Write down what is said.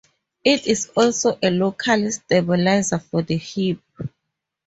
It is also a local stabilizer for the hip.